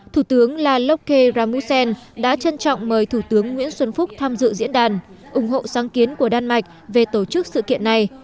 thủ tướng lalokhe ramussen đã trân trọng mời thủ tướng nguyễn xuân phúc tham dự diễn đàn ủng hộ sáng kiến của đan mạch về tổ chức sự kiện này